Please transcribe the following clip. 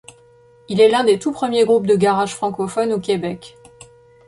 Il est l'un des tout premiers groupes de garage francophones au Québec.